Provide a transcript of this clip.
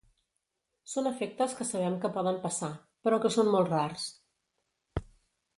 Són efectes que sabem que poden passar, però que són molt rars.